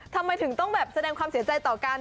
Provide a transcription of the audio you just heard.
ทำไมถึงต้องแบบแสดงความเสียใจต่อกัน